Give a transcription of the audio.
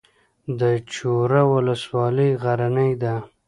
د چوره ولسوالۍ غرنۍ ده